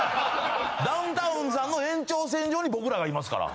ダウンタウンさんの延長線上に僕らがいますから。